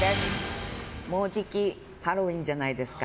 もうじきハロウィーンじゃないですか。